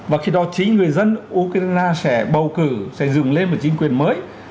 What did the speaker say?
và khi đó chính người dân ukraine sẽ bầu cử sẽ dựng lên một chính quyền mới